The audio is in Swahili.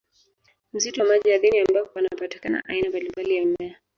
Msitu wa maji ardhini ambapo panapatikana aina mbalimbali ya mimea